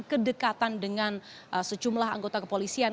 kedekatan dengan sejumlah anggota kepolisian